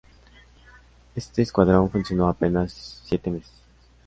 Este escuadrón funcionó apenas siete meses.